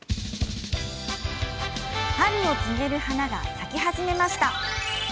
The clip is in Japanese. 春を告げる花が咲き始めました。